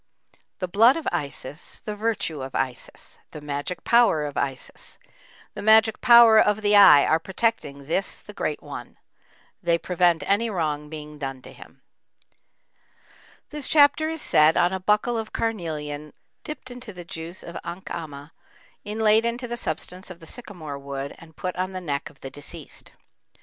The blood of Isis, the virtue of Isis; the magic power of Isis, the magic power of the Eye are protecting this the Great one; they prevent any wrong being done to him. This chapter is said on a buckle of carnelian dipped into the juice of ankhama, inlaid into the substance of the sycamore wood and put on the neck of the deceased.